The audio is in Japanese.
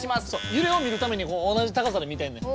ゆれを見るために同じ高さで見てんねや。